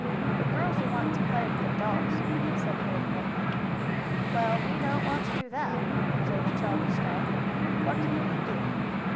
"The girls will want to play with their dolls," said Harry Bentley. "Well, we don't want to do that," observed Charlie Star. "What can we do?"